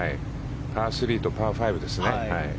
パー３とパー５ですね。